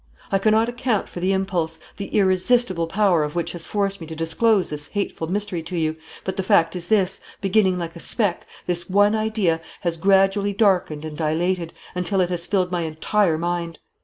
I cannot account for the impulse, the irresistible power of which has forced me to disclose the hateful mystery to you, but the fact is this, beginning like a speck, this one idea has gradually darkened and dilated, until it has filled my entire mind.